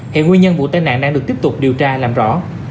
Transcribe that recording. hiện nguyên nhân vụ tai nạn đang được tiếp tục điều tra làm rõ